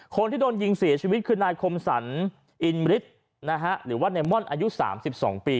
คนที่โดนยิงเสียชีวิตคือนายคมสรรอินฤทธิ์นะฮะหรือว่าในม่อนอายุ๓๒ปี